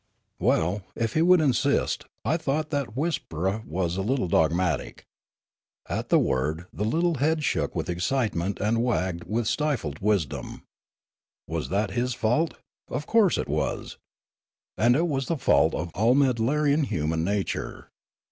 Well, if he would insist, I thought that Wispra was a little dogmatic. At the word, the little head shook with excitement and wagged with stifled wisdom. Was that his fault ? Of course it was. And it was the fault of all Meddlarian human nature.